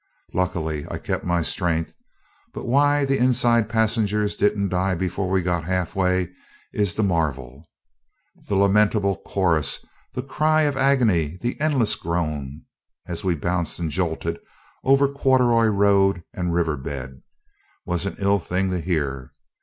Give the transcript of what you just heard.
Luckily, I kept my strength; but why the inside passengers didn't die before we got half way is the marvel. "The lamentable chorus, the cry of agony, the endless groan," as we bounced and jolted over corduroy road and river bed, was an ill thing to hear.